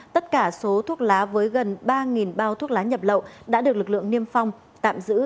tất cả số thuốc lá với gần ba bao thuốc lá nhập lậu đã được lực lượng niêm phong tạm giữ